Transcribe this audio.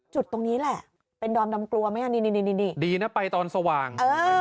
จุดตรงนี้แหละเป็นดอมดำกลัวไหมนี่ดีนะไปตอนสว่าง